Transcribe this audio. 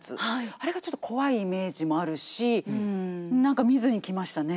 あれがちょっと怖いイメージもあるし何か見ずにきましたね。